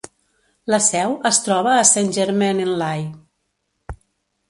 La seu es troba a Saint-Germain-en-Laye.